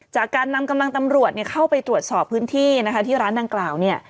จากการนำกำลังตำรวจเข้าไปตรวจสอบพื้นที่นะคะที่ร้านดังกล่าวเนี่ย